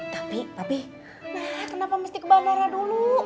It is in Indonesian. tapi papi kenapa mesti ke bandara dulu